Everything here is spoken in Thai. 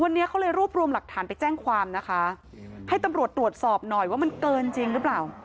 วันนี้เขาเลยรวบรวมหลักฐานไปแจ้งความนะคะให้ตำรวจตรวจสอบหน่อยว่ามันเกินจริงหรือเปล่า